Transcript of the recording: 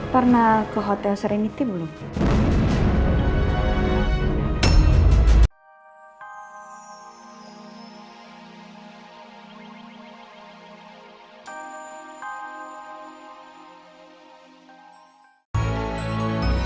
pernah ke hotel serenity belum